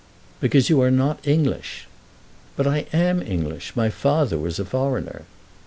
"Because you are not English." "But I am English. My father was a foreigner."